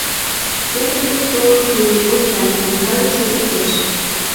Ферме гыч толын шуыч, ончат: Микале шогылтеш.